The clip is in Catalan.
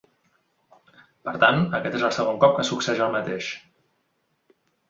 Per tant, aquest és el segon cop que succeeix el mateix.